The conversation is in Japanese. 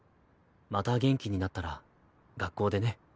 また元気になったら学校でね。